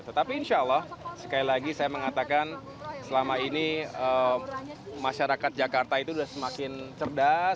tetapi insya allah sekali lagi saya mengatakan selama ini masyarakat jakarta itu sudah semakin cerdas